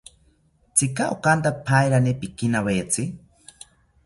Tzika okanta pairani pikinawetzi